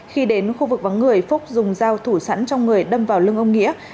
khi đến khu vực vắng người phúc dùng dao thủ sẵn trong người đâm vào lưng ông nghĩa